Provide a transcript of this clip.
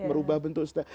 merubah bentuk setelah